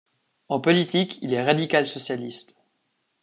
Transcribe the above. En politique, il est radical-socialiste.